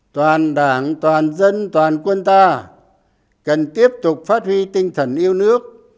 toàn đảng toàn dân toàn quân ta cần tiếp tục phát huy tinh thần yêu nước